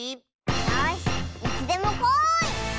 よしいつでもこい！